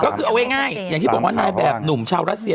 ก็คือเอาง่ายอย่างที่บอกว่านายแบบหนุ่มชาวรัสเซีย